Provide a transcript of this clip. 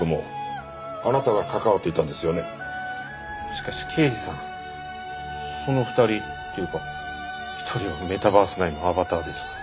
しかし刑事さんその２人っていうか１人はメタバース内のアバターですが。